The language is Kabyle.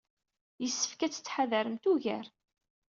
Yessefk ad tettḥadaremt ugar.